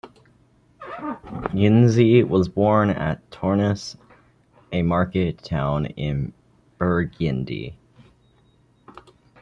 Greuze was born at Tournus, a market town in Burgundy.